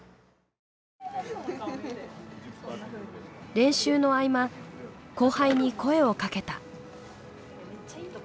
練習の合間後輩に声をかけた。